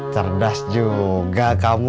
cerdas juga kamu